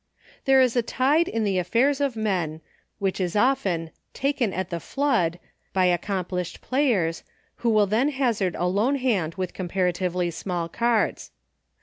" There is a tide in the affairs of men, " which is often " taken at the flood " by ac complished players, who will then hazard a lone hand with comparatively small cards.